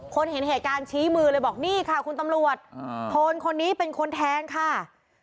เห็นเหตุการณ์ชี้มือเลยบอกนี่ค่ะคุณตำรวจโทนคนนี้เป็นคนแทงค่ะ